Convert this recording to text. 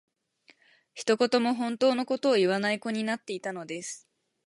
一言も本当の事を言わない子になっていたのです